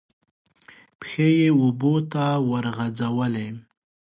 پښې یې اوبو ته ورغځولې.